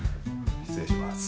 失礼します。